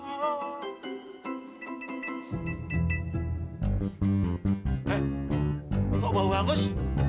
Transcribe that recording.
eh kok bau hangus